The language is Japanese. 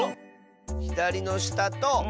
ひだりのしたとうえ。